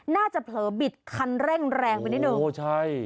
เผลอบิดคันเร่งแรงไปนิดนึงโอ้ใช่